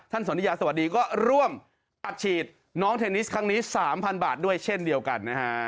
สนทิยาสวัสดีก็ร่วมอัดฉีดน้องเทนนิสครั้งนี้๓๐๐๐บาทด้วยเช่นเดียวกันนะฮะ